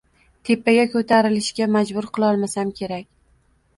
tepaga ko‘tarilishga majbur qilolmasam kerak.